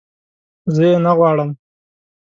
زه یې نه غواړم